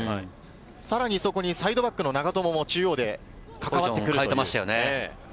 さらにそこにサイドバックの長友も中央で関わって来るという。